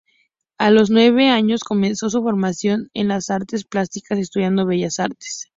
A los nueve años comenzó su formación en las artes plásticas estudiando Bellas Artes.